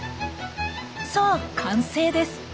さあ完成です！